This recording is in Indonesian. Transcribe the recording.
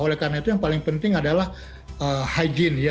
oleh karena itu yang paling penting adalah hygiene ya